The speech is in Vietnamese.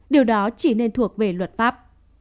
điều đó chỉ nên thuộc về luật pháp